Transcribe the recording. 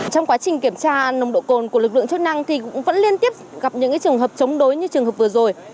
thì cũng vẫn liên tiếp gặp những trường hợp chống đối như trường hợp vừa rồi